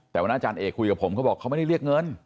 แต่วันนั้นอาจารย์เอกคุยกับผมเขาบอกเขาไม่ได้เรียกเงิน